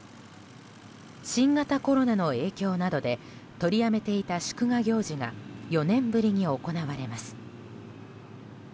新型コロナの影響などで取りやめていた祝賀行事が４年ぶりに行われます。